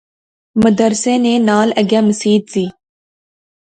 مدرسے نال اگے مسیت زی